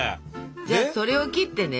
じゃあそれを切ってね